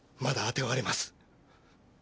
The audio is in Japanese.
まだ当てはあります。